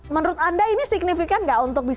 menurut anda ini signifikan nggak untuk bisa